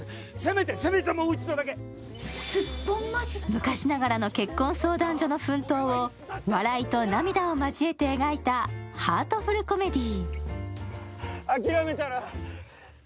昔ながらの結婚相談所の奮闘を笑いと涙を交えて描いたハートフルコメディー。